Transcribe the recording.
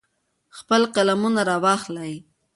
خپل قلمونه را واخلئ.